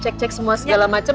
cek cek semua segala macam